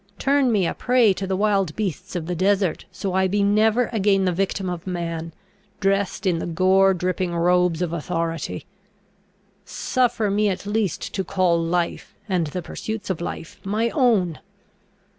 Turn me a prey to the wild beasts of the desert, so I be never again the victim of man, dressed in the gore dripping robes of authority! Suffer me at least to call life, and the pursuits of life, my own!